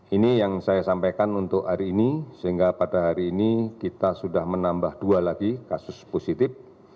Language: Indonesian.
ini yang saya sampaikan untuk hari ini sehingga pada hari ini kita sudah menambah dua lagi kasus positif